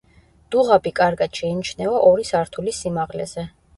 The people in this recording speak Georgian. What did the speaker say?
დუღაბი კარგად შეიმჩნევა ორი სართულის სიმაღლეზე.